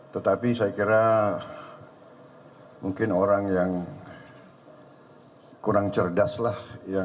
tetapi saya kira mungkin orang yang kurang cerdas lah